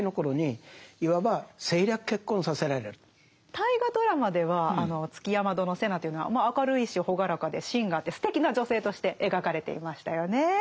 大河ドラマでは築山殿瀬名というのは明るいし朗らかで芯があってすてきな女性として描かれていましたよね。